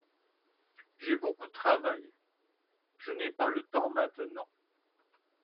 J'ai beaucoup de travail. Je n'ai pas le temps maintenant.